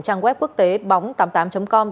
trang web quốc tế bóng tám mươi tám com